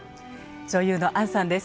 女優の杏さんです。